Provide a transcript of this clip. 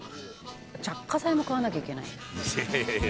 「着火剤も買わなきゃいけない」